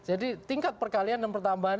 jadi tingkat perkalian dan pertambahan